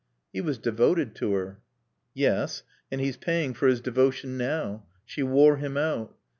"He was devoted to her." "Yes. And he's paying for his devotion now. She wore him out....